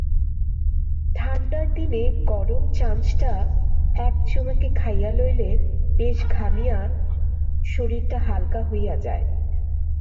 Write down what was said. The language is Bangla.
ঠাণ্ডার দিনে গরম চাঞ্চটা এক চুমুকে খাইয়া লইলে বেশ ঘামিয়া শরীরটা হালকা হইয়া যায়।